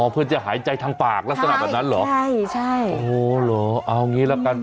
อ๋อเพื่อจะหายใจทางปากลักษณะแบบนั้นหรอโอ้เหรอเอาอย่างนี้ละกัน